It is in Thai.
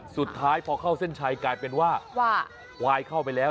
สุดท้ายพอเข้าเส้นชัยกลายเป็นว่าควายเข้าไปแล้ว